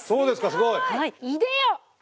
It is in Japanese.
すごい。